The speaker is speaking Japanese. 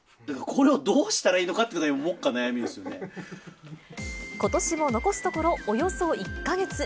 これをどうしたらいいのかっていことしも残すところおよそ１か月。